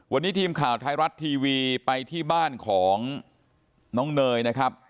วันนี้ทีมข่าวไทยรัฐทีวีไปที่บ้านของน้องเนยนะครับ